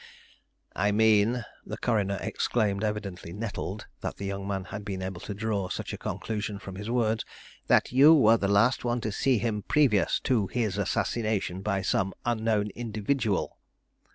"I mean," the coroner exclaimed, evidently nettled that the young man had been able to draw such a conclusion from his words, "that you were the last one to see him previous to his assassination by some unknown individual?"